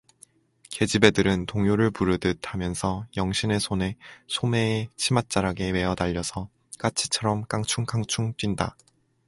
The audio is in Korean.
계집애들은 동요를 부르듯 하면서 영신의 손에 소매에 치맛자락에 매어달려서 까치처럼 깡충깡충 뛴다.